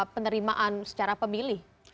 penerimaan secara pemilih